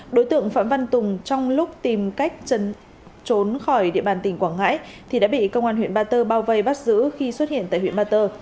đối tượng phạm văn tùng trong lúc tìm cách trốn khỏi địa bàn tỉnh quảng ngãi thì đã bị công an huyện ba tơ bao vây bắt giữ khi xuất hiện tại huyện ba tơ